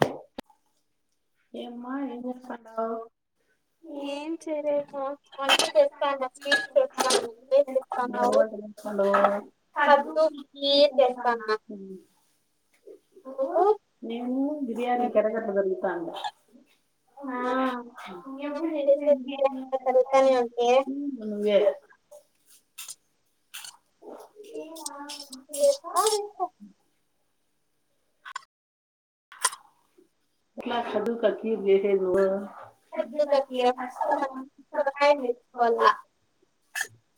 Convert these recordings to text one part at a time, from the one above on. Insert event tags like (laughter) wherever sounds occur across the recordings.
హ ఏమ్మా ఏం చేస్తన్నావు ఏం చేయలేదు వంట లేదా చేస్తాన్న వంట స్వీట్ చేస్తా ఉన్నా చేస్తాన్న నువ్వేం స్వీట్ చేస్తా ఉన్నా ఏం చేస్తాన్నావు వంట చేస్తున్నావు పద్దు కద్దు కీర్ చేస్తున్నా చేస్తాన్న నువ్వు నేను బిర్యానీ గటగట్ల జరుగుతాంది ఆ నువ్వు చేసే బిర్యానీ తరుగుతానే ఉంటే నువ్వే టేనా చెప్పాలే ఎట్లా కదూక కీర్ చేసేది నువ్వేగా సజ్ కాకియ ఫస్ట్ సొరకాయ టైం తెచ్చుకోవాల పెట్టుకోవాలా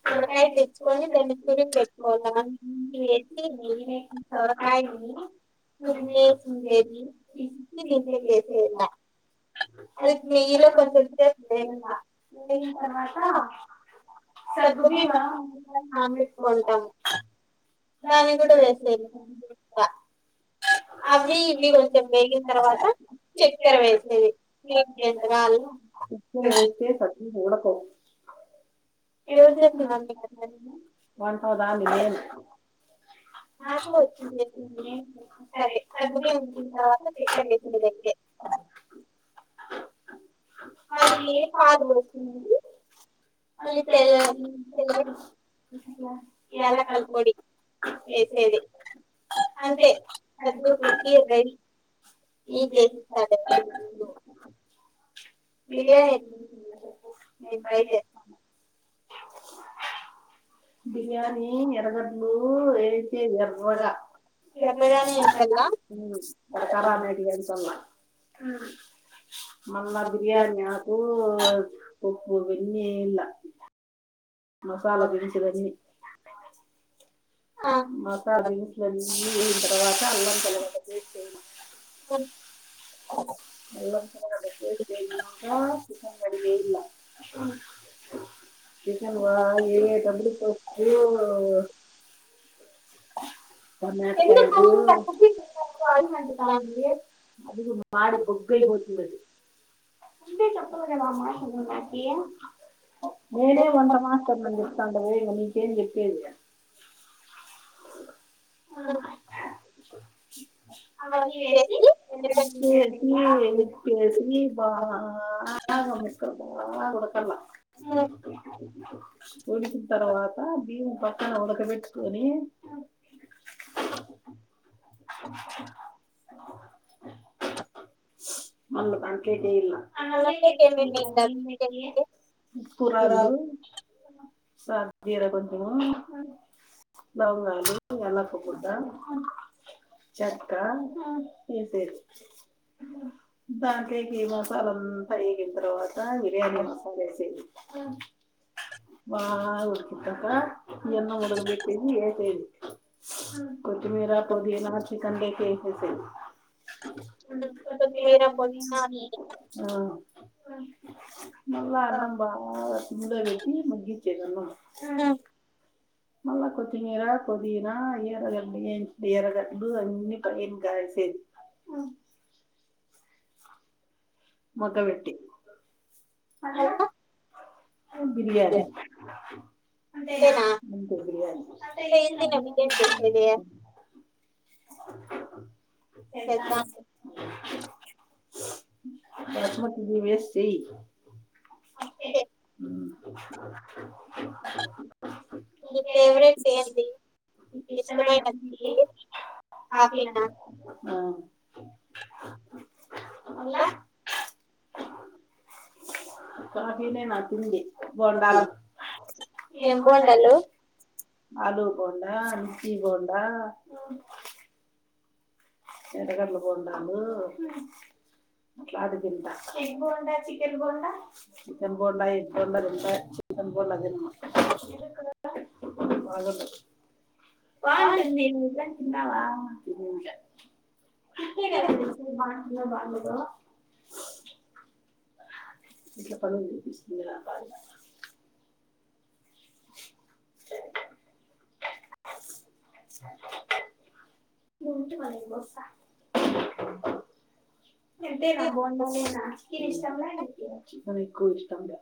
సొరకాయ తీసుకొని తెచ్చుకొని నేను దాన్ని తురిమి పెట్టుకున్న పెట్టుకోవాల మళ్ళీ అన్ని వేసి చేసి నెయ్యి లేకుండా సొరకాయ ఏని నూనె వేయకుండా తురిమేసి ఏందీ మీంటే చేసేలా నీట్గా అది ప్లే లో కొంచెం సేపు దేఖ్ వేయాల తా నైట్ అంత సగ్గుబియ్యం కొంటాము దానికి దాన్ని కూడా వేసేయ్ వేసేది అవి ఇవి ఉండని తర్వాత చక్కెర వేసేది స్వీట్ దీనికి జెండగా ఎంతగాలు అవి ఇక్కడ వేస్తే ఏం చేస్తున్నారు మీకు వంట దాన్ని నేను నాకు ఆకుకూర వచ్చేది చేసేదే సరే సగ్గుబియ్యం వండిన తర్వాత చక్కెర చికెన్ తెతే వేసింది తెతే అది పార పాలు వోసింది పోసేది మళ్ళీ తెల్ల తెల్ల ఎలా ఎలా యాలకల కలుపు పొడి చేసేది వేసేది అంతే కద్దు సద్దుకుకి కిరికి రెడీ రైస్ ఇది ఈక చేసిస్తాడు (unintelligible) బియ్యం బిర్యానీ ఏడ ఉన్నాయి చెప్పు నేను ట్రై బయట వేస్తాను బిర్యాని ఎదగద్ నువు ఏతే ఎర్రగా చేస్తాను చెప్పగానే కల్లా క బడి అడిగాను బంగ మల్ల బిర్యానీ ఆకు ఓ ఉప్పు వెన్ని ఎయల మసాల దినుసుల్లో అన్ని మసాలా దినుసుల్లో అన్ని వేసిన తర్వాత అల్లం తెల్లగడ్డ పేస్ట్ వేయాలి అల్లం పేస్ట్ వేసినంక చికెన్ కడిగి ఎయల చికెన్ ఎసేతప్పుడు పసుపు టమాటా ఎందుకు పక్కకి కాయలు అది కూడా మాడి బొగ్గు అయిపోతుంది ఆది ముందే చేపలా కదా ఆ మాట నువ్ నాకి నేనే వంట మాస్టర్ నీ అని చెప్తంలేదా ఏం చెప్పేది అవన్నీ వేసి వేసి (unintelligible) బాగా ఉడకల బాగా ఉడకళ్ళ ఆ (inaudible) ఉడికిిన తర్వాత బి పక్కన ఉడక బట్ కొని మల్ల గా వెడీలా అలాగే అన్నం ఏమేమి లోకి వేసేలా బియ్యం లోకి షాజీరా కొంచం లవంగాలు ఎల్లకా బుడ్డ ఎ చెక్క ఎసేయాలీ దాని గి మసాల అంత వేగినా తరువా బిర్యానీ మసాలా ఏసేయి బా ఉడికినా తాత ఇవన్నీ ఉడకబెట్టసి ఏసేది కొత్తిమీర పౌదినా చికన్ తెచ్చి వేసేసెయ్ కొతి మీరా పుదీనా ఆ నువ్వే అన్నాం బాగా సిమ్ లో పెట్టి మగ్గిచ్చేదమ్మ ఆ మళ్ళ కొతిమీరా పుదీనా ఎర్రగడ్డ ఎంచి ఎర్రగడ్డలు అన్నీ పైనా కాసేది మగ్గబెట్టి అది ఎలా అలా అది బిర్యానీ అంతేనా అంతే బిర్యానీ అంత ఈజీ నా ఈజీనే బిర్యాని బిర్యానీ చేసేది చేయడం చెయ్ దాసు చేద్దాం బాస్మతిని వేసి చెయ్ ఒకే హు మీ ఫేవరెట్ ఏంది మీకు ఇష్టమైన ఇష్టమైనది పిండి ఎంటి కాఫీ నా ఆ ఆలా కాఫినే నా తిండి బోండాలు ఏం ఎం వండదు బోండాలు ఆలు బోండా మిర్చి బోండా ఎర్రగడ్ల బోండాలు ఇట్లాటివి తింట egg bonda chicken bonda chicken bonda egg bonda తింటా చికెన్ బోండా తినను (inaudible) ఆలు బాగుంటుంది నిజం తిన్నావా తిననులే కిక్కి రా అసలు బా అన్న బాలేడో ఇంట్లో పడి ఉండు ఈనెల అంతా (inaudible) ఉంటదా నీ బొత్త తింటివా బోండాలైన కి ని ఇష్టంలే నీ అవి ఎక్కువ ఇష్టం లే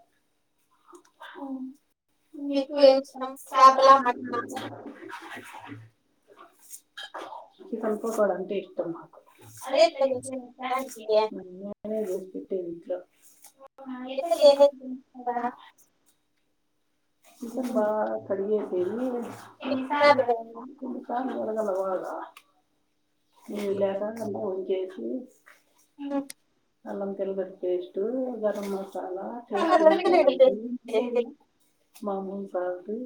మీకు ఎం ఇష్టం చాపల మటన్ నా చికెన్ పకోడా అంటె ఇష్టం అదే అరేట్ ఇట్లా చేసేది (inaudible) రసుట్ ఇంట్లో ఎంత ఎట్లా కేద చేసేది తెలుసుకదా కదా ఇసం బా కడిీ ఏ ఎన్ని సార్లు వదల రా ఎరగల వాగా మీవు లేక బో చే ఓ అల్లం తెల్ల పేస్టు గరం మసాలా అల్లంతల్లిగడ్డ పేస్ట్ (inaudible) మామం కాదు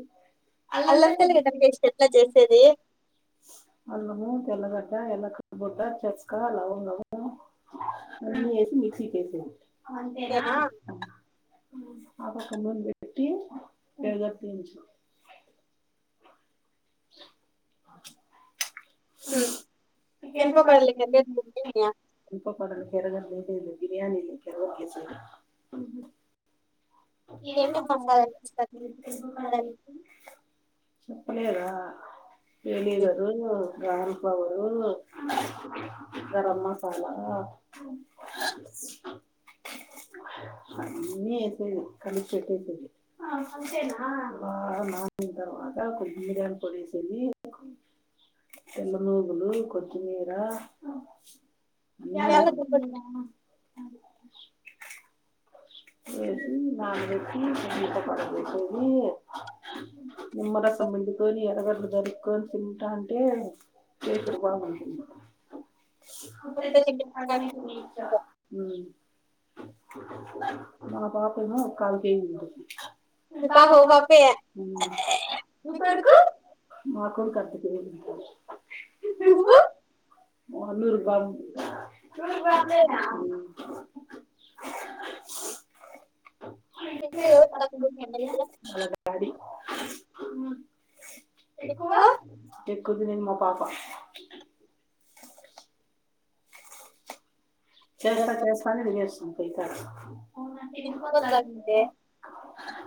అల్లం తెల్లిగడ్డి పాస్ట్ ఎట్ల చేసేది ఎ కబుట్ట చస్కా లవే మిక్సకిేస అంతేనా నేనా అకు ముంది ఏడుజ తన్ంచు చికెన్ గంప పర్లి కయా లు కిరగ లేదలు బిర్యానీ లే కరే చే ఏమేం మసాలా ఇస్తారు వాన చికెన్ చెప్పలేదా ఏనుారు గన్ పౌరు గరం మసాలా ఏసి కనిచ పెట్టే బ మాిన తర్వాత కొద్మీర్యాలు పడిస తెల్ల నువ్వులు ఏరా యాలుకులు యాలకుల పొడి వ నా ట పడపోయిపోంది నిమ్మరకం ఎందుకొని ఎరగెరలు జరుక్కకొని తింటా అంటే వసుకు కూడా మ గా ఇ ఉ నా పాప ఉ కాల కే ఉ మీ పాప ఓ పాపే మీ తూకు కొడుకు మాకు కదు ఉ అన్నూరు రూపా ఉ ఇంట్లో డవ ఎవరు ప చ తక్కువ ఆ ఎక్కువ గుడ్ ఇనింగ్ మాో పాప చేస్తా చేస్తాని విజేస్తాను స కా అవునా ఎది పలా తక్కువలాగితే అ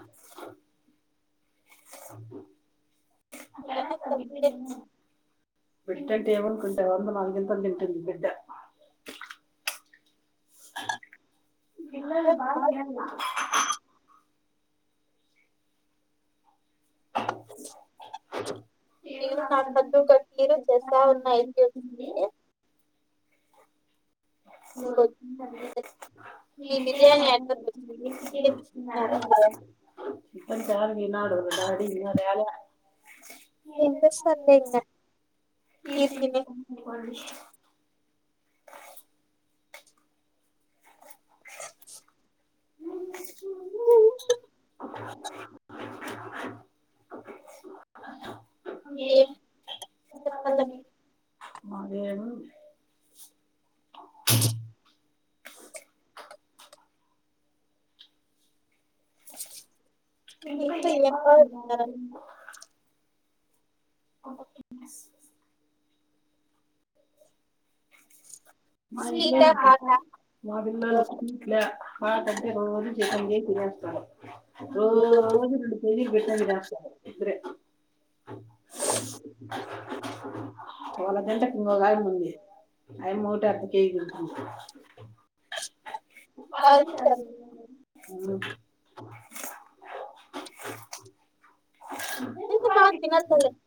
అలా కవిది నహ బిడ్డంట ఏమనుకుంటే వంద నాలుగింతలు తింటుంది బిడ్డ ఉ ఇల్ బా గినల్ ఉ నేను నాఖద్దు కట్రు చేస్తా చెప్పాలని ఉన్నాయితే అనిపించింది వచ్చింది స ఇంకొచ్చి లే బిర్యానీ ఎట్లా వి ముష్ న తింటున్నారా ఇప్ప చ నాడు డిన్న లేేాల ఏం చేస్తారులే ఇంగ ఇది తినేసి ఈ ఉ అేను చెప్పల మీ ఇకా మీతో ఏ ఏం బా బాగా తింటారు ప మా ఇ స్వీటా హాటా మాదిలట్లే తంటే కొ సం ఫస్తారు ఓ అవును నిన్న పెళ్లికి పెట్టినది గా శీర వాల గంటకి ఇంకో ఆమ్మి ఉంది అమ్మి వో కే అర్థకేజీ తెచ్చిం బాగా తింటారు (unintelligible) అ ఎందుబావ తినద్ అన్ చెప్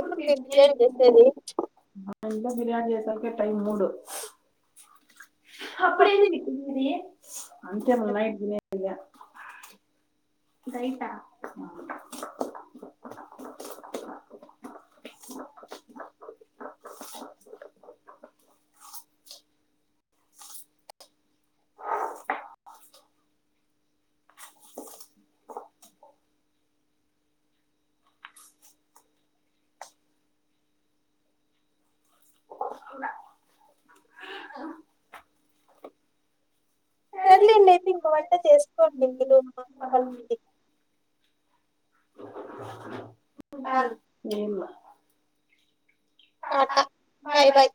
ఎప్పుడు మీరు చికెన్ చేసేది అంత బిర్యానీ చేసలకే టైమ్ మూడు అప్పుడు ఎం వెట్టింది మే అంతే మల్ నైట్ దినే రైతా సర్లే సర్లెండి అయితే ఇంక వంట చేసుకోండి మీరు మా పకి అ ఏమ్మ టాట బాయ్ బాయ్